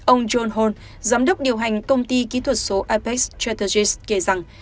ông john holmes giám đốc điều hành công ty kỹ thuật số apex strategies kể rằng